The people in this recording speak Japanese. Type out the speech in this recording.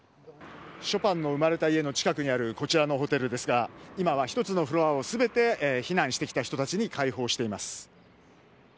ショパンの生まれた家の近くにあるこちらのホテルですが今は１つのフロアを全て避難してきた人たちに開放しています。